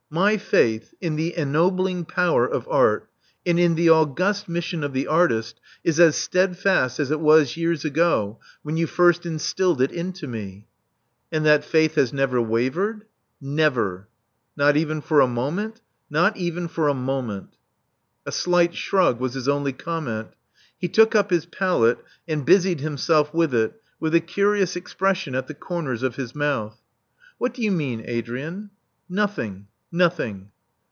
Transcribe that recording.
My faith in the ennobling power of Art, and in the august mission of the artist is as steadfast as it was years ago, when you first instilled it into me." And that faith has never wavered?" Never." Not even for a moment?" Not even for a moment." A slight shrug was his only comment. He took up his palette, and busied himself with it, with a curious expression at the comers of his mouth. What do you mean, Adrian?" '* Nothing. Nothing."